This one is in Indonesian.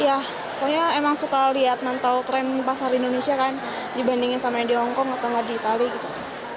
iya soalnya emang suka lihat mantau tren pasar indonesia kan dibandingin sama yang di hongkong atau nggak di itali gitu